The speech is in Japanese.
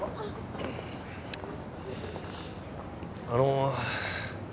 あの。